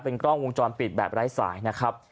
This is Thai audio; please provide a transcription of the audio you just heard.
กล้องวงจรปิดแบบไร้สายนะครับ